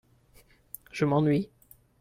Je m'ennuie.